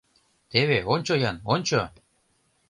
— Теве ончо-ян, ончо!..